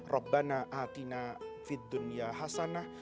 rabbana atina fid dunya hasanah